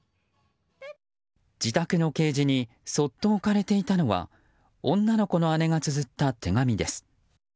自宅のケージにそっと置かれていたのは女の子の姉がつづった手紙です。